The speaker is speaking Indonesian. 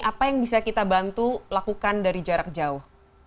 apa yang bisa kita bantu lakukan dari jarak jauh